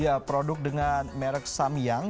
ya produk dengan merek samiang